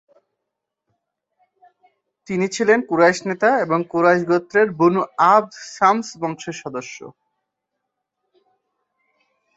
তিনি ছিলেন কুরাইশ নেতা এবং কুরাইশ গোত্রের বনু আবদ শামস বংশের সদস্য।